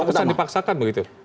tapi tidak terpesan dipaksakan begitu